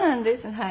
はい。